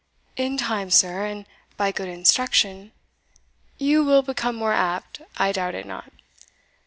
"In time, sir, and by good instruction" " You will become more apt I doubt it not.